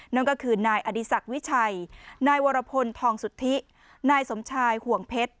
นั่นก็คือนายอดีศักดิ์วิชัยนายวรพลทองสุทธินายสมชายห่วงเพชร